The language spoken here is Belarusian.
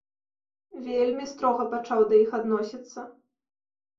Вельмі строга пачаў да іх адносіцца.